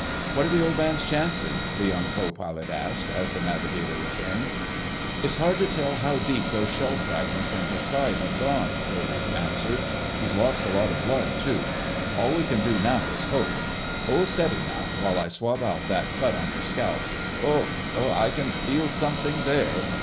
"What are the Old Man's chances?" the young co pilot asked, as the navigator returned. "It's hard to tell how deep those shell fragments in his side have gone," Curly answered. "He's lost a lot of blood, too. All we can do now is hope.... Hold steady, now, while I swab out that cut in your scalp—oh oh! I can feel something there."